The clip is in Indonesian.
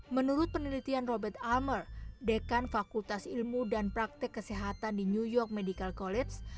menurut penelitian robert almer dekan fakultas ilmu dan praktek kesehatan di new york medical college